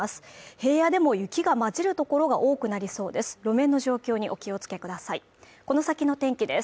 平野でも雪が交じる所が多くなりそうです